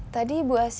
tadi ibu asy